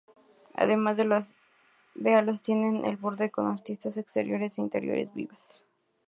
Además, las alas tienen el borde con aristas exteriores e interiores vivas.